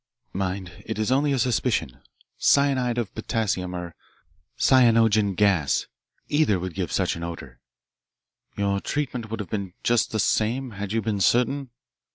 "Mind, it is only a suspicion. Cyanide of potassium or cyanogen gas; either would give such an odour." "Your treatment would have been just the same had you been certain?"